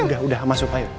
udah udah masuk ayo